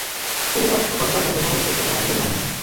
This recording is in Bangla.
সিটিসেল অবশ্য গতকাল তার দেনা পরিশোধ করতে পারেনি বলে জানা গেছে।